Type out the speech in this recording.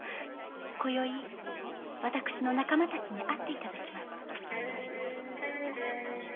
今夜私の仲間たちに会って頂きます。